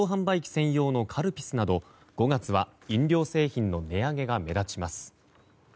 専用のカルピスなど５月は飲料製品の値上げが目立ちます。